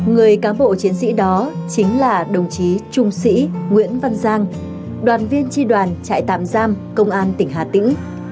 người cán bộ chiến sĩ đó chính là đồng chí trung sĩ nguyễn văn giang đoàn viên tri đoàn trại tạm giam công an tỉnh hà tĩnh